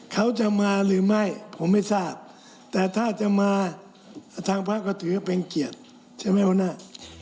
เขาจะมาหรือไม่ผมไม่ทราบแต่ถ้าจะมาทางพระก็ถือเป็นเกียรติใช่ไหมหัวหน้า